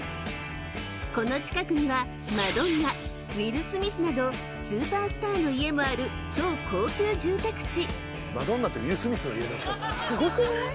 ［この近くにはマドンナウィル・スミスなどスーパースターの家もある超高級住宅地］